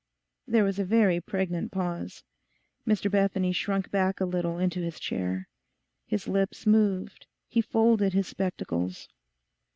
There was a very pregnant pause. Mr Bethany shrunk back a little into his chair. His lips moved; he folded his spectacles.